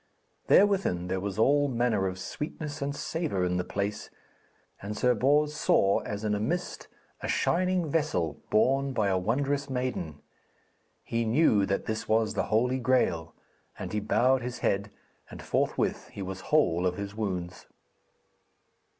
Therewith there was all manner of sweetness and savour in the place, and Sir Bors saw as in a mist a shining vessel borne by a wondrous maiden. He knew that this was the Holy Graal; and he bowed his head, and forthwith he was whole of his wounds.